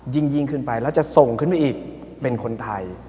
ยิ่งขึ้นไปแล้วจะส่งขึ้นไปอีกเป็นคนไทย